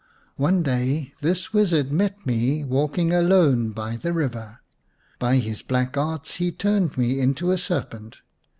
One day this wizard met me walking alone by this river. By his black arts he turned me into a serpent.